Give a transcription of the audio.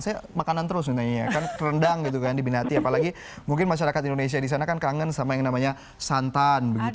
saya makanan terus nih nanya ya kan rendang gitu kan dibinati apalagi mungkin masyarakat indonesia di sana kan kangen sama yang namanya santan